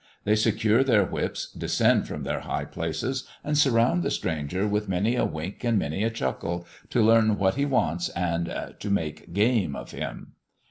They secure their whips, descend from their high places, and surround the stranger with many a wink and many a chuckle, to learn what he wants, and to "make game of him."